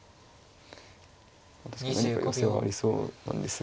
確かに何か寄せはありそうなんですが。